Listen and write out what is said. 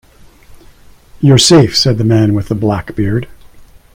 "You're safe," said the man with the black beard.